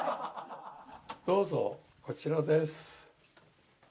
どうぞこちらです。